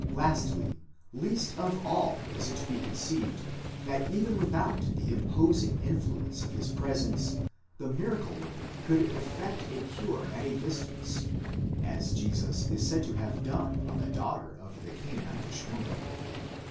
Lastly, least of all is it to be conceived, that even without the imposing influence of his presence, the miracle worker could effect a cure at'a distance, as Jesus is said to have done on the daughter of the Canaanitish. woman.